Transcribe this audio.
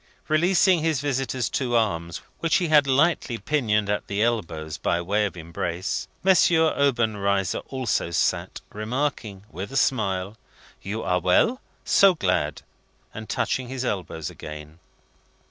Releasing his visitor's two arms, which he had lightly pinioned at the elbows by way of embrace, M. Obenreizer also sat, remarking, with a smile: "You are well? So glad!" and touching his elbows again.